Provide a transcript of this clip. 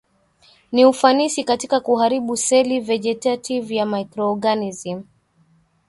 Ni ufanisi katika kuharibu seli vegetative ya microorganism